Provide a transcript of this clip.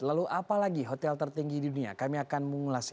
lalu apalagi hotel tertinggi di dunia kami akan mengulasnya